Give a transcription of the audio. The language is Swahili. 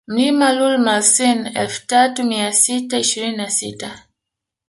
Mlima Lool Malasin elfu tatu mia sita ishirini na sita